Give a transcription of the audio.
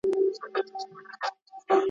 د دلارام ولسوال د خلکو مشورې په غور واورېدې